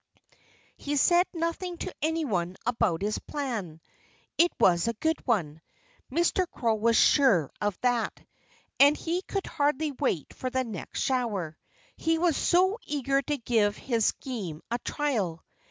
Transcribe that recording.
He said nothing to anyone about his plan. It was a good one Mr. Crow was sure of that. And he could hardly wait for the next shower, he was so eager to give his scheme a trial.